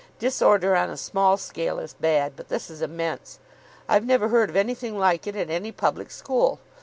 Disorder on a small scale is bad, but this is immense. I've never heard of anything like it at any public school.